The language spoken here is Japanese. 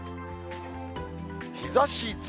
日ざし増。